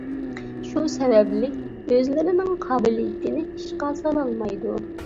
شۇ سەۋەبلىك ئۆزلىرىنىڭ قابىلىيىتىنى ئىشقا سالالمايدۇ.